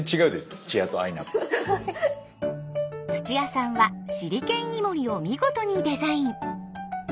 土屋さんはシリケンイモリを見事にデザイン。